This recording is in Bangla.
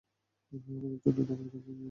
আমাদের জন্য না, আমেরিকানদের জন্য।